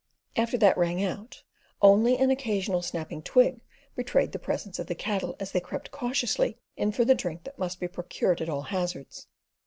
After that rang out, only an occasional snapping twig betrayed the presence of the cattle as they crept cautiously in for the drink that must be procured at all hazards.